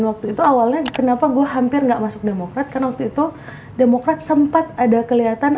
soalnya kenapa gua hampir nggak masuk demokrat karena waktu itu demokrat sempat ada kelihatan